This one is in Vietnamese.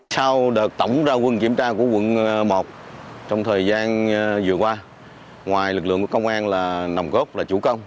sau đợt tổng ra quân kiểm tra của quận một trong thời gian vừa qua ngoài lực lượng của công an là nồng cốt là chủ công